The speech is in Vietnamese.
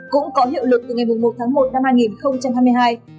cũng có hiệu lực từ ngày một một một hai nghìn hai mươi hai